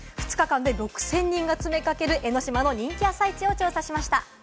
２日間で６０００人が詰めかける江の島の人気朝市を調査しました。